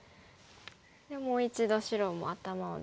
でもう一度白も頭を出して。